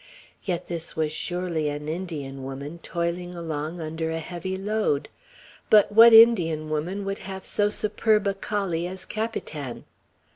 Yet this was surely an Indian woman toiling along under a heavy load. But what Indian woman would have so superb a collie as Capitan?